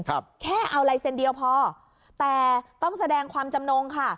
แค่เอาลายเซ็นต์เดียวพอแต่ต้องแสดงความจำนงค่ะ